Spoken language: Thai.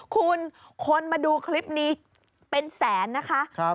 คุณคนมาดูคลิปนี้เป็นแสนนะคะ